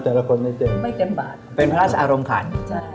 แล้วก็เล่นวันอาทิตย์